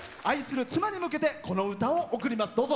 愛する妻に向けてこの歌を贈ります。